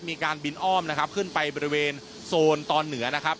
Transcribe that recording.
มีการบินอ้อมนะครับขึ้นไปบริเวณโซนตอนเหนือนะครับ